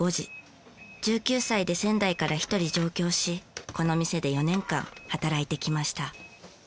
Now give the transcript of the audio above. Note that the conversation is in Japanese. １９歳で仙台から一人上京しこの店で４年間働いてきました。